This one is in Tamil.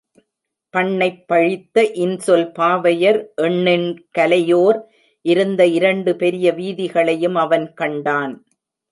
பண்ணைப்பழித்த இன்சொல் பாவையர் எண்ணெண்கலையோர் இருந்த இரண்டு பெரிய வீதிகளையும் அவன் கண்டான்.